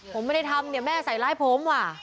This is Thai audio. ผมไม่ได้ทำแม่ใส่ลายผมว่า